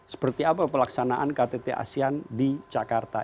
seperti apa pelaksanaan ktt asean di jakarta